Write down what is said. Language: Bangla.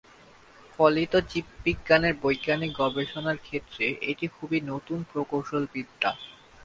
ফলিত জীববিজ্ঞানের বৈজ্ঞানিক গবেষণার ক্ষেত্রে এটি খুবই নতুন প্রকৌশল বিদ্যা।